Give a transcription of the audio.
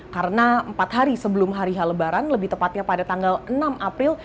karena empat hari sebelum hari hal lebaran lebih tepatnya pada tanggal enam april